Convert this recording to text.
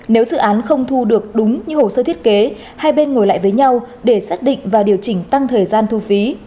nếu dự án không thu được đúng như hồ sơ thiết kế hai bên ngồi lại với nhau để xác định và điều chỉnh tăng thời gian thu phí